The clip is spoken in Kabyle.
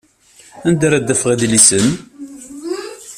Anda ara d-afeɣ idlisen?